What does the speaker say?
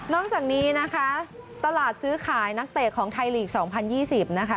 จากนี้นะคะตลาดซื้อขายนักเตะของไทยลีก๒๐๒๐นะคะ